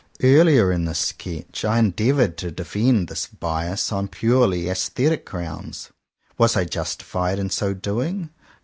Earlier in this sketch I endeavoured to defend this bias on purely aesthetic grounds. Was I justified in so doing?